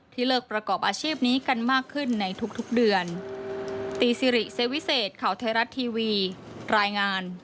เลิกประกอบอาชีพนี้กันมากขึ้นในทุกเดือน